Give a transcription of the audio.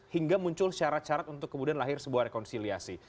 hingga muncul syarat syarat untuk kemudian lahir sebuah rekonsiliasi